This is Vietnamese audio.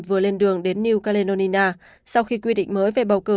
vừa lên đường đến new caleonina sau khi quy định mới về bầu cử